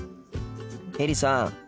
エリさん